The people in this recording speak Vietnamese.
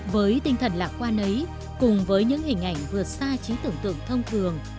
với tinh thần lạc quan ấy cùng với những hình ảnh vượt xa chính tưởng tượng thông thường